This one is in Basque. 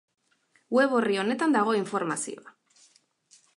Web orri honetan dago informazioa.